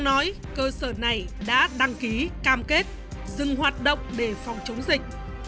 nói cơ sở này đã đăng ký cam kết dừng hoạt động để phòng chống dịch